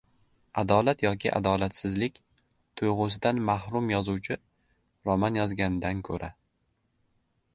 Adolat yoki adolatsizlik tuygʻusidan mahrum yozuvchi roman yozgandan koʻra